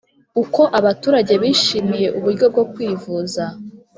Uko abaturage bishimiye uburyo bwo kwivuza